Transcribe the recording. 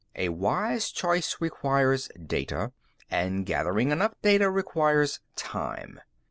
A wise choice requires data, and gathering enough data requires time."